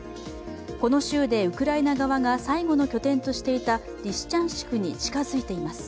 この州でウクライナ側が最後の拠点としていたリシチャンシクに近づいています。